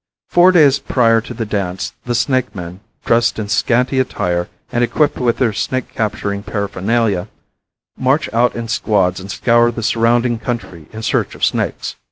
Four days prior to the dance the snake men, dressed in scanty attire and equipped with their snake capturing paraphernalia, march out in squads and scour the surrounding country in search of snakes.